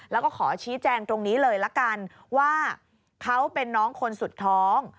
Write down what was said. แล้วก็ขอชี้แจงตรงนี้เลยละกันว่าเขาเป็นน้องคนสุดท้อง